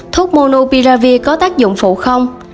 thuốc monopiravir có tác dụng phụ không